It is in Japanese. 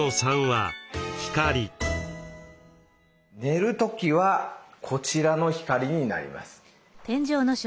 寝る時はこちらの光になります。